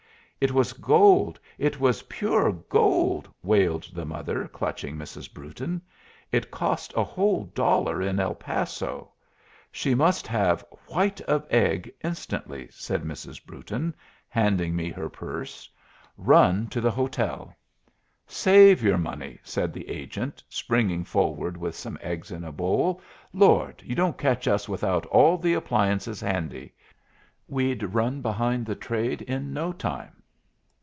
"It was gold! it was pure gold!" wailed the mother, clutching Mrs. Brewton. "It cost a whole dollar in El Paso." "She must have white of egg instantly," said Mrs. Brewton, handing me her purse. "Run to the hotel " "Save your money," said the agent, springing forward with some eggs in a bowl. "Lord! you don't catch us without all the appliances handy. We'd run behind the trade in no time.